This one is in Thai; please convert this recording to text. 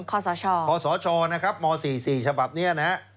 คศชนะครับม๔ฉบับนี้นะ